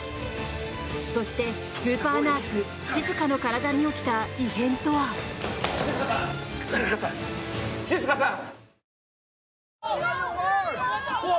そして、スーパーナース・静の体に起きた異変とは。静さん！